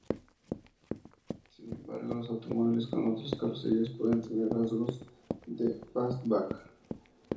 Sin embargo, los automóviles con otras carrocerías pueden tener rasgos de fastback.